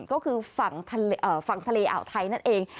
ก็คือฝั่งทะเลอ่าวไทยนั่นเอง